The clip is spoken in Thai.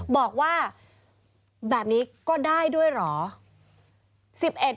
บอกว่าแบบนี้ก็ได้ด้วยเหรอ